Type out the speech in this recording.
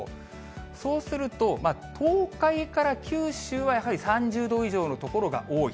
そうすると、東海から九州はやはり３０度以上の所が多い。